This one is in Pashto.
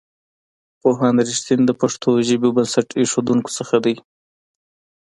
پوهاند رښتین د پښتو ژبې بنسټ ایښودونکو څخه دی.